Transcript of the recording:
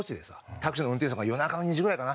タクシーの運転手さんが夜中の２時ぐらいかな？